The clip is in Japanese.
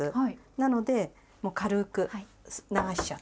なのでもう軽く流しちゃって。